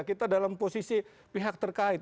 kita dalam posisi pihak terkait